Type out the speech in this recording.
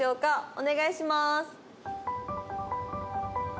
お願いします。